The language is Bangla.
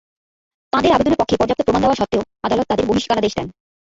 তাঁদের আবেদনের পক্ষে পর্যাপ্ত প্রমাণ দেওয়া সত্ত্বেও আদালত তাঁদের বহিষ্কারাদেশ দেন।